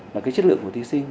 là cái chất lượng của thí sinh